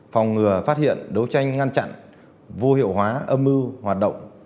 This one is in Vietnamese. phòng ngừa phát hiện đấu tranh ngăn chặn vô hiệu hóa âm mưu hoạt động